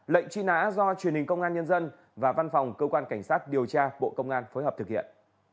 lệnh truy nã do truyền hình công an nhân dân và văn phòng cơ quan cảnh sát điều tra bộ công an phối hợp thực hiện